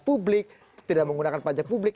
publik tidak menggunakan pajak publik